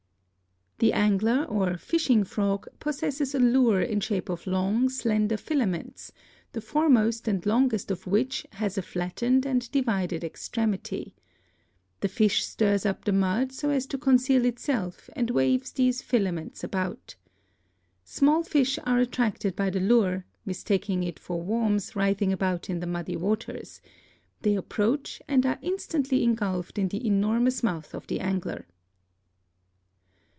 "The Angler, or Fishing Frog, possesses a lure in shape of long, slender filaments, the foremost and longest of which has a flattened and divided extremity. The fish stirs up the mud so as to conceal itself and waves these filaments about. Small fish are attracted by the lure, mis taking it for worms writhing about in the muddy waters; they approach and are instantly engulfed in the enormous mouth of the Angler.